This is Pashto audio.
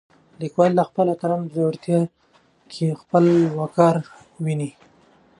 لیکوال د خپلو اتلانو په زړورتیا کې د خپل ملت وقار وینه.